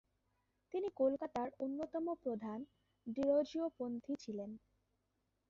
তিনি কলকাতার অন্যতম প্রধান ডিরোজিওপন্থী ছিলেন।